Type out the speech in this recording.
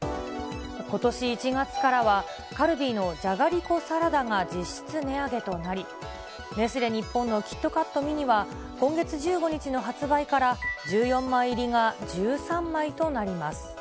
ことし１月からは、カルビーのじゃがりこサラダが実質値上げとなり、ネスレ日本のキットカットミニは、今月１５日の発売から、１４枚入りが１３枚となります。